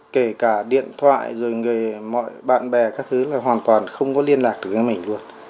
kể cả điện thoại rồi mọi bạn bè các thứ là hoàn toàn không có liên lạc được với mình luôn